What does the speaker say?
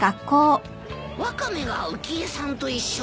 ワカメが浮江さんと一緒に？